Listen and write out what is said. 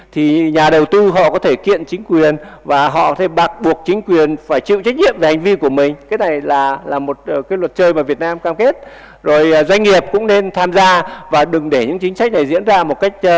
thì nhà đầu tư họ có thể kiện chính quyền và họ sẽ bạc buộc chính quyền phải chịu trách nhiệm